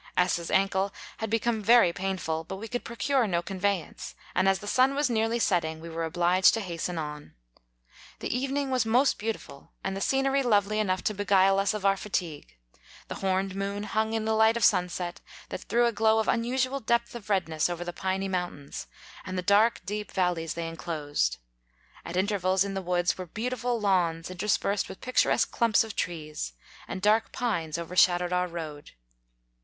S's ancle had become very 38 painful, but we could procure no con ve}'ance, and as the sun was nearly setting, we were obliged to hasten on. The evening was most beautiful, and the scenery lovely enough to beguile us of our fatigue : the horned mooii hung in the light of sunset, that threw a glow of unusual depth of redness over the piny mountains and the dark deep vallies they enclosed ; at inter vals in the woods were beautiful lawns interspersed with picturesque clumps of trees, and dark pines overshadowed our road.